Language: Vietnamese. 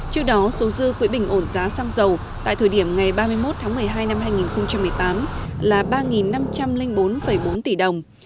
trước đó số dư quỹ bình ổn giá xăng dầu tại thời điểm ngày ba mươi một tháng một mươi hai năm hai nghìn một mươi tám là ba năm trăm linh bốn bốn tỷ đồng